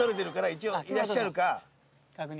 一応いらっしゃるか。確認。